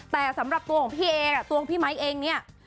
แต่สำหรับตัวของพี่เองตัวพี่ไมค์เองเนี่ย